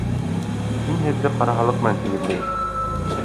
Мин һеҙҙе ҡара халыҡ менән тигеҙләйем!